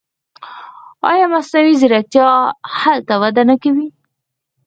آیا مصنوعي ځیرکتیا هلته وده نه کوي؟